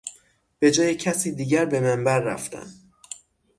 به جای کسی دیگر به منبر رفتن